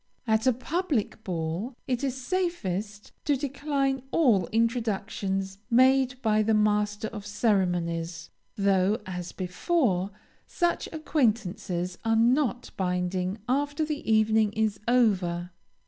At a public ball, it is safest to decline all introductions made by the master of ceremonies, though, as before, such acquaintances are not binding after the evening is over.